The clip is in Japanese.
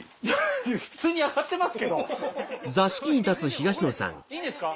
いや普通に上がってますけど。いいですよ。